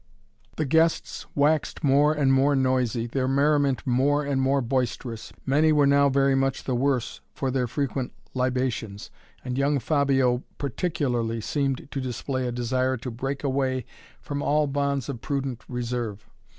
The guests waxed more and more noisy, their merriment more and more boisterous. Many were now very much the worse for their frequent libations, and young Fabio particularly seemed to display a desire to break away from all bonds of prudent reserve.